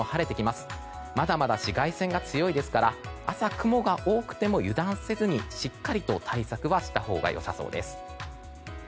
まだまだ紫外線が強いですから朝、雲が多くても油断せずにしっかりと対策はしたほうが良さそうです。